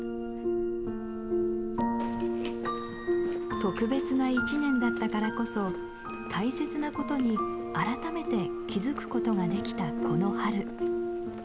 特別な一年だったからこそ大切なことに改めて気づくことができたこの春。